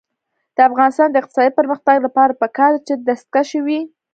د افغانستان د اقتصادي پرمختګ لپاره پکار ده چې دستکشې وي.